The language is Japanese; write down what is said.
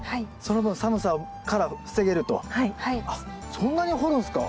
そんなに掘るんすか？